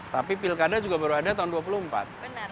tapi pilkada juga baru ada tahun dua puluh empat